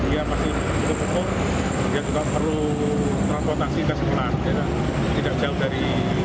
tidak jauh dari